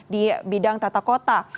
di bidang tata kota